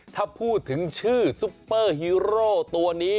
ถ้าพูดถึงชื่อซุปเปอร์ฮีโร่ตัวนี้